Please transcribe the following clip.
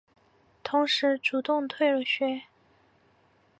同时主动退了学。